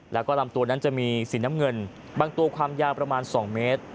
แล้วก็ลำตัวนั้นจะมีสีน้ำเงินบางตัวความยาวประมาณ๒เมตร